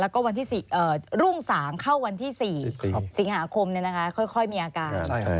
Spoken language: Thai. แล้วก็วันที่รุ่งสางเข้าวันที่๔สิงหาคมค่อยมีอาการ